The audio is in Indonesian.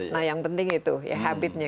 nah yang penting itu ya habitnya